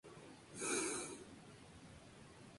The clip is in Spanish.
Las guerreras tienen cabezas notablemente grandes.